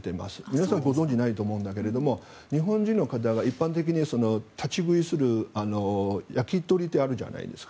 皆さんご存じないと思うけど日本人の方が一般的に立ち食いする焼き鳥ってあるじゃないですか。